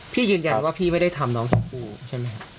ยืนยันว่าพี่ไม่ได้ทำน้องชมพู่ใช่ไหมครับ